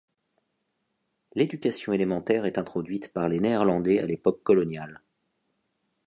L'éducation élémentaire est introduite par les Néerlandais à l'époque coloniale.